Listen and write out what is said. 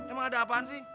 emang ada apaan sih